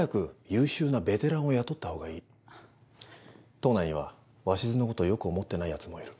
党内には鷲津のことを良く思ってないやつもいる。